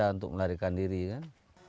untuk melarikan diri kan